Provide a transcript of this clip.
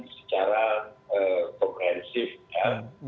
secara komprensif ya